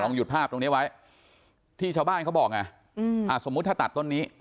หยุดภาพตรงนี้ไว้ที่ชาวบ้านเขาบอกไงสมมุติถ้าตัดต้นนี้